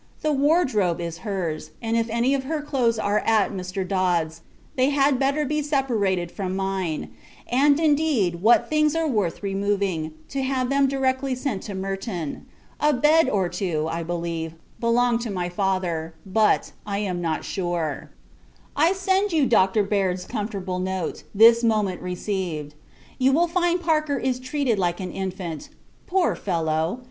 The wardrobe is her's; and if any of her clothes are at Mr. Dod's, they had better be separated from mine and, indeed, what things are worth removing to have them directly sent to Merton. A bed, or two, I believe, belong to my father; but, am not sure. I send you Dr. Baird's comfortable note, this moment received. You will [find] Parker is treated like an infant. Poor fellow!